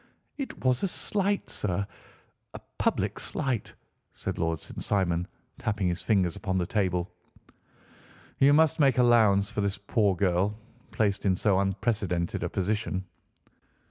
"It was a slight, sir, a public slight," said Lord St. Simon, tapping his fingers upon the table. "You must make allowance for this poor girl, placed in so unprecedented a position."